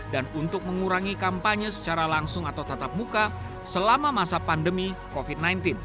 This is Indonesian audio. dan untuk mengurangi kampanye secara langsung atau tetap muka selama masa pandemi covid sembilan belas